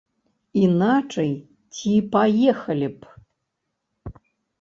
Іначай ці паехалі б?